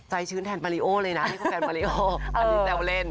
ใจชื้นแทนมะลิโอเลยนะคู่แฟนมะลิโอนี่แสวน